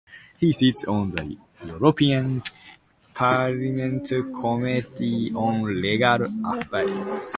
He sits on the European Parliament's Committee on Legal Affairs.